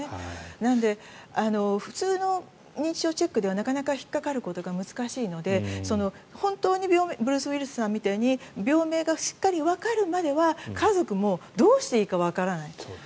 なので普通の認知症チェックではなかなか引っかかることが難しいので本当にブルース・ウィリスさんみたいに病名がしっかりわかるまでは家族もどうしていいかわからない。